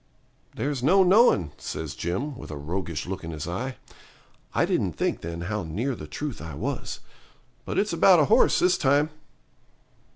'There's no knowing,' says Jim, with a roguish look in his eye (I didn't think then how near the truth I was), 'but it's about a horse this time.'